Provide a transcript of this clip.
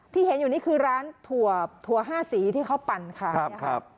ที่เห็นอยู่นี่คือร้านถั่วถั่ว๕สีที่เขาปั่นขายนะครับ